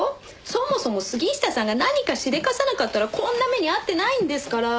そもそも杉下さんが何かしでかさなかったらこんな目に遭ってないんですから。